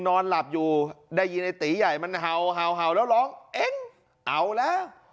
นอนหลับอยู่ได้ยินไอ้ตีใหญ่มันเห่าเห่าแล้วร้องเองเอาแล้ว